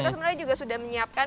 kita sebenarnya juga sudah menyiapkan